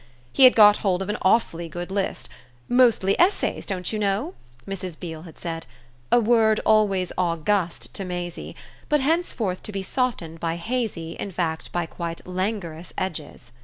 He had got hold of an awfully good list "mostly essays, don't you know?" Mrs. Beale had said; a word always august to Maisie, but henceforth to be softened by hazy, in fact by quite languorous edges.